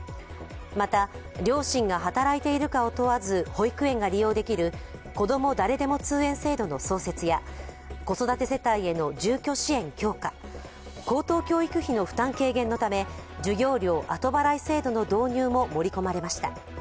また、両親が働いているかを問わず保育園が利用できるこども誰でも通園制度の創設や子育て世帯への住居支援強化、高等教育費の負担軽減のため授業料の後払い制度の導入も盛り込まれました。